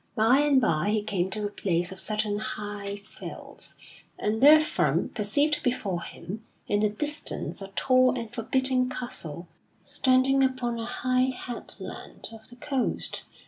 By and by he came to a place of certain high fells, and therefrom perceived before him in the distance a tall and forbidding castle standing upon a high headland of the coast.